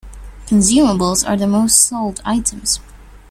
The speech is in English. Consumables are the most sold items.